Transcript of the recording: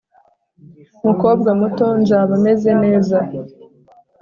"mukobwa muto, nzaba meze neza.